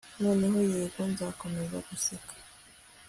noneho yego, nzakomeza guseka